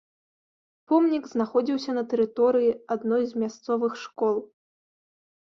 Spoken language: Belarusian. Помнік знаходзіўся на тэрыторыі адной з мясцовых школ.